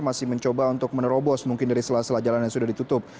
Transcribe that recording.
masih mencoba untuk menerobos mungkin dari sela sela jalan yang sudah ditutup